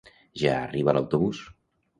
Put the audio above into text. Ja arriba l'autobús